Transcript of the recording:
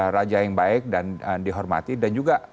raja yang baik dan dihormati dan juga